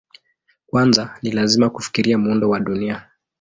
Kwanza ni lazima kufikiria muundo wa Dunia.